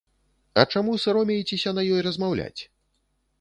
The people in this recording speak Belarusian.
А чаму саромеецеся на ёй размаўляць?